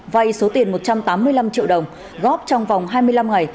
vay số tiền một trăm tám mươi năm triệu đồng góp trong vòng hai mươi năm ngày